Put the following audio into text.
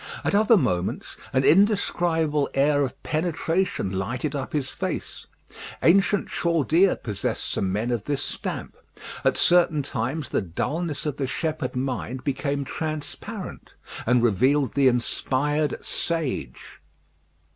At other moments an indescribable air of penetration lighted up his face. Ancient Chaldea possessed some men of this stamp. At certain times the dullness of the shepherd mind became transparent, and revealed the inspired sage.